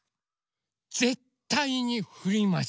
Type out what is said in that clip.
ぜったいにふります。